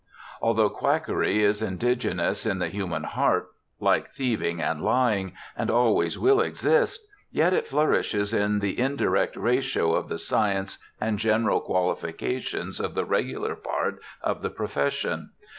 Although quackery is indigenous in the human heart, like thieving and lying, and always will exist, yet it flourishes in the indirect ratio of the science and general qualifications of the regular part of the pro fession.